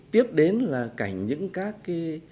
tiếp đến là cảnh những các cái